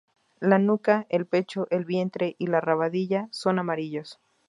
La nuca, el pecho, el vientre y la rabadilla son amarillos.